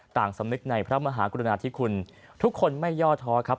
ต่างสำนึกในพระมหากุฎนาที่คุณทุกคนไม่ย่อท้อครับ